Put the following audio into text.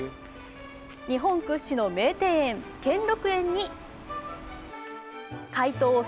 日本屈指の名庭園、兼六園に開湯